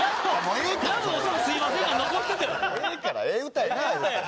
ええから、ええ歌やから。